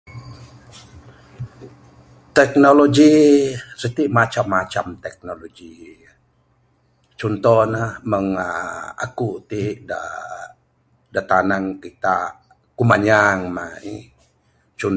Pimaan da sihek da sipatut ne meng ami da ngandai binua ngamin ne lagi kemudahan pimaan sihek, memang sien da namel dengan pidaan tayung babuk ami sanik ne maan kayuh da mudip, adeh semulajadi da tarun mung pakuh, mung tikor aaa kirumoi aaa sien adalah pimaan da paguh lah,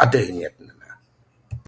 da anyap racun.